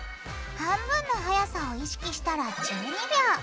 半分のはやさを意識したら１２秒。